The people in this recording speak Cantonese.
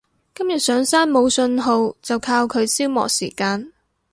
今日上山冇訊號就靠佢消磨時間